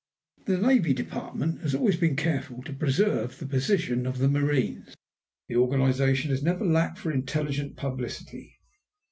The Navy Department has always been careful to preserve the tradition of the marines. The organization has never lacked for intelligent publicity.